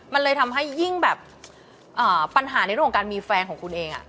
มันเลยทำให้ยิ่งแบบปัญหาในเรื่องของการมีแฟนของคุณเอง